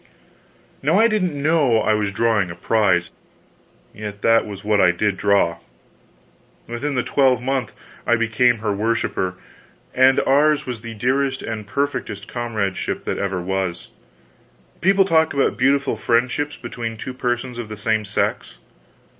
Now I didn't know I was drawing a prize, yet that was what I did draw. Within the twelvemonth I became her worshiper; and ours was the dearest and perfectest comradeship that ever was. People talk about beautiful friendships between two persons of the same sex.